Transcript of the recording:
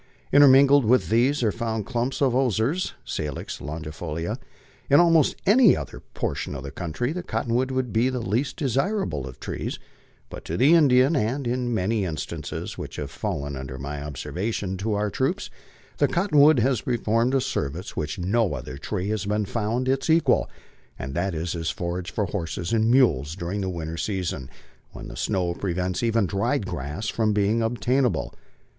Intermingled with these are found clumps of osiers (Salix longifolid). In almost any other por tion of the country the cottonwood would be the least desirable of trees ; but to the Indian, and, in many instances which have fallen under my observation, to our troops, the cottonwood has performed a service for which no other tree has been found its equal, and that is as forage for horses and mules during the winter season, when the snow prevents even dried grass from being obtainable.